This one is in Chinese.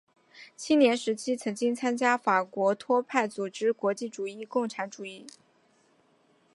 青年时期曾经参加法国托派组织国际主义共产主义组织。